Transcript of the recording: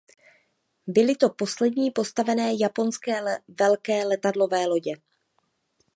Byly to poslední postavené japonské velké letadlové lodě.